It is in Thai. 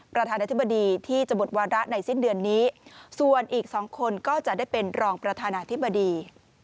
ประธานาธิบดีที่จะหมดวาระในสิ้นเดือนนี้ส่วนอีก๒คนก็จะได้เป็นรองประธานาธิบดี